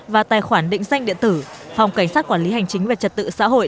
và tài khoản định danh điện tử phòng cảnh sát quản lý hành chính về trật tự xã hội